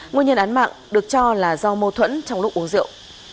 nguyên nhân án mạng được cho là do mâu thuẫn trong lúc uống rượu